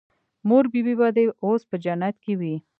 مور بي بي به دې اوس په جنت کښې وي.